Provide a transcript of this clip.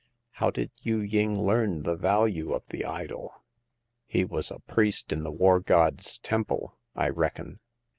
*' How did Yu ying learn the value of the idol ?"" He was a priest in the war god's temple, I reckon.